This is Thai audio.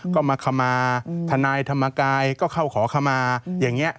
ก็มาขมาทนายธรรมกายก็เข้าขอขมาอย่างนี้